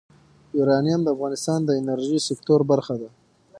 یورانیم د افغانستان د انرژۍ سکتور برخه ده.